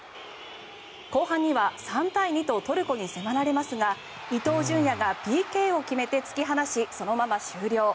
後半には、３対２とトルコに迫られますが伊東純也がＰＫを決めて突き放しそのまま終了。